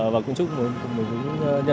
và cũng chúc mọi người một ngày tốt đẹp nhất